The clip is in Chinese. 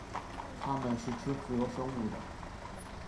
它们是吃浮游生物的。